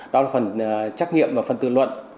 đó là phần trắc nghiệm và phần tự luận